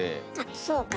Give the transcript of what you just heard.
そうか。